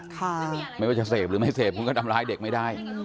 ไม่ว่าจะเสพหรือไม่เสพคุณก็ทำร้ายเด็กไม่ได้